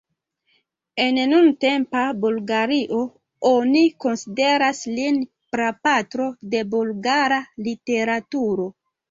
En nuntempa Bulgario oni konsideras lin prapatro de bulgara literaturo.